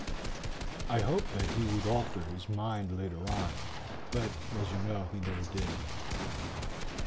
I hoped that he would alter his mind later on, but, as you know, he never did."